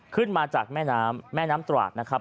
ขึ้นมาจากแม่น้ำแม่น้ำตราดนะครับ